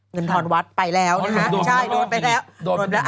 เงินธรรมวัดไปแล้วนะคะ